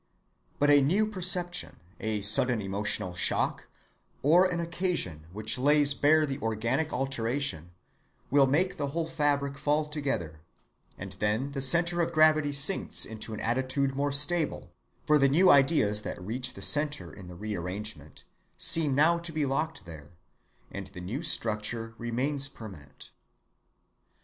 But a new perception, a sudden emotional shock, or an occasion which lays bare the organic alteration, will make the whole fabric fall together; and then the centre of gravity sinks into an attitude more stable, for the new ideas that reach the centre in the rearrangement seem now to be locked there, and the new structure remains permanent.